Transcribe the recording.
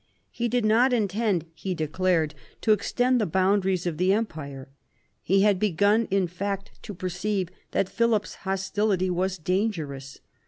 He did not intend, he declared, to extend the boundaries of the Empire. He had begun in fact to perceive that Philip's hostility was dangerous.